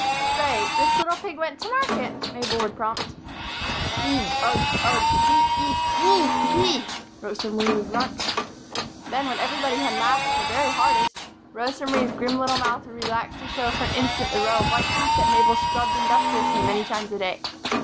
"Say, 'This little pig went to market,'" Mabel would prompt. "Eigh, ugh, ugh, ee, ee, ee, hee!" Rosa Marie would grunt. Then, when everybody else laughed her very hardest, Rosa Marie's grim little mouth would relax to show for an instant the row of white teeth that Mabel scrubbed industriously many times a day.